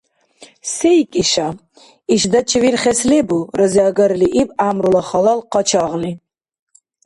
– СейкӀиша? Ишдачи вирхес лебу? – разиагарли иб гӀямрула халал къачагъли.